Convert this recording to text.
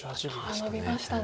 ああノビましたね。